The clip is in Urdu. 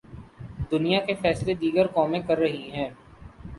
دنیا کے فیصلے دیگر قومیں کررہی ہیں۔